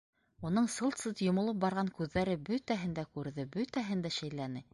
Уның сылт-сылт йомолоп торған күҙҙәре бөтәһен дә күрҙе, бөтәһен дә шәйләне.